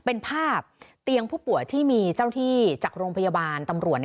เป็นภาพเตียงผู้ป่วยที่มีเจ้าที่จากโรงพยาบาลตำรวจ